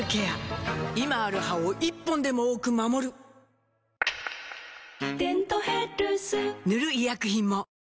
今ある歯を１本でも多く守る「デントヘルス」塗る医薬品も